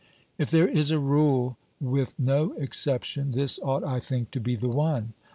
If there is a rule with no excep tion, this ought, I think, to be the one.